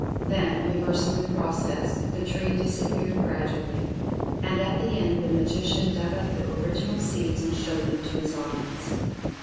Then, revers ing the process, the tree disappeared gradually, and at the end the Magician dug up the original seeds and showed them to his audience.